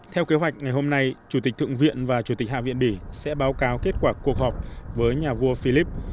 theo kế hoạch ngày hôm nay chủ tịch thượng viện và chủ tịch hạ viện bỉ sẽ báo cáo kết quả cuộc họp với nhà vua philip